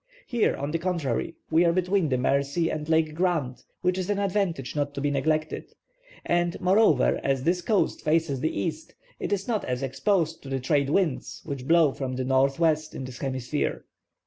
Here, on the contrary, we are between the Mercy and Lake Grant, which is an advantage not to be neglected. And, moreover, as this coast faces the east, it is not as exposed to the trade winds, which blow from the northwest in this hemisphere."